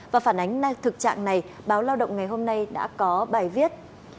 và phản ánh thực trạng này báo lao động ngày hôm nay đã có bài viết